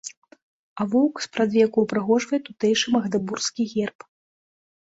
А воўк спрадвеку ўпрыгожвае тутэйшы магдэбургскі герб.